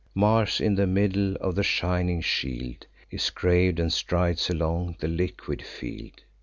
Mars in the middle of the shining shield Is grav'd, and strides along the liquid field.